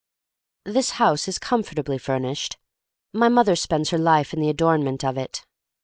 This house is comfortably furnished. My mother spends her life in the adornment of it.